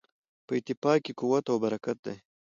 په اتفاق کې قوت او برکت دی.